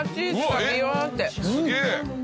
すげえ。